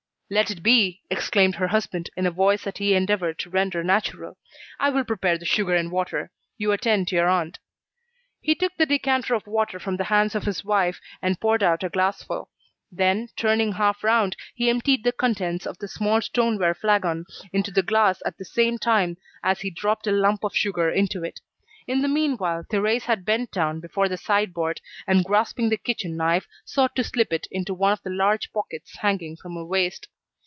"Let it be," exclaimed her husband, in a voice that he endeavoured to render natural, "I will prepare the sugar and water. You attend to your aunt." He took the decanter of water from the hands of his wife and poured out a glassful. Then, turning half round, he emptied the contents of the small stoneware flagon into the glass at the same time as he dropped a lump of sugar into it. In the meanwhile, Thérèse had bent down before the sideboard, and grasping the kitchen knife sought to slip it into one of the large pockets hanging from her waist.